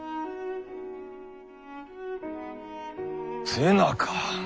瀬名か。